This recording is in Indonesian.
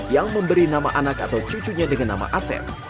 yang memberi nama anak atau cucunya dengan nama asep